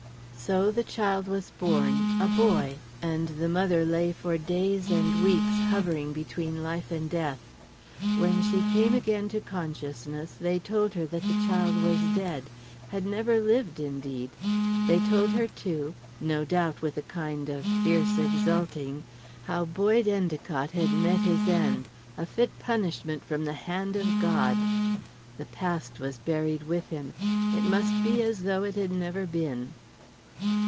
So the child was born a boy and the mother lay for days and weeks hovering between life and death. When she came again to consciousness, they told her that the child was dead had never lived, indeed. They told her, too no doubt with a kind of fierce exulting how Boyd Endicott had met his end a fit punishment from the hand of God! The past was buried with him. It must be as though it had never been.